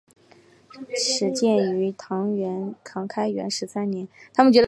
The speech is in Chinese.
始建于唐开元十三年。